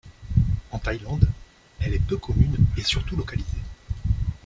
En Thaïlande, elle est peu commune et surtout localisée.